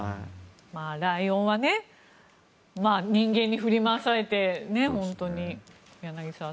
ライオンは人間に振り回されて本当に、柳澤さん。